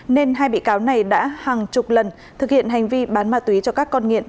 nên hai bị cáo này đã hàng chục lần thực hiện hành vi bán ma túy cho các con nghiện